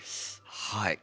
はい。